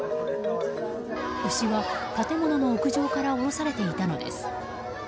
牛は建物の屋上から降ろされていたのです。